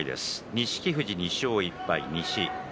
錦富士２勝１敗